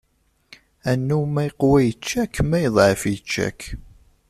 Annu ma iqwa ičča-k, ma iḍɛef ičča-k.